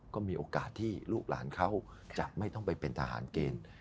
ก็มีโอกาสที่ลูกหลานเขาจะไม่ต้องไปเป็นทหารเกณฑ์